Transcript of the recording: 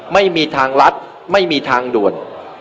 ไม่มีทางลัดไม่มีทางด่วน